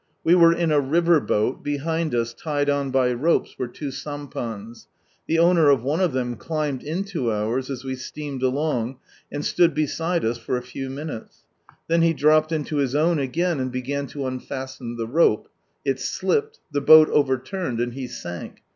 We were in a river boat, behind us tied on by ropes were two sampans. The owner ihc rope. . under it, he splash c of them climbed into ours, as wc steameii along, and stood beside u Then he dropped into his own again, and began to unfasier It slipped, the boat overturned, and he sank.